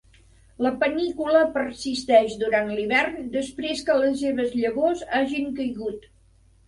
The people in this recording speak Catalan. La panícula persisteix durant l’hivern després que les seves llavors hagin caigut.